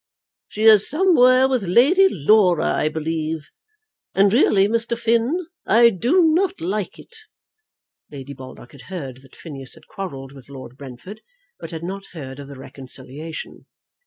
"She is somewhere with Lady Laura, I believe; and really, Mr. Finn, I do not like it." Lady Baldock had heard that Phineas had quarrelled with Lord Brentford, but had not heard of the reconciliation.